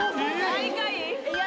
最下位？